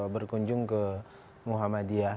berkunjung ke muhammadiyah